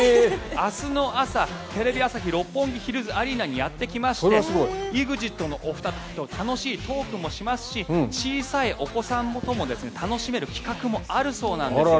明日の朝、テレビ朝日六本木ヒルズアリーナにやってきましてＥＸＩＴのお二方と楽しいトークもしますし小さいお子さんと楽しめる企画もあるそうです。